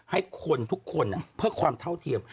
ให้คนทุกคนเพื่อความเท่าเทียม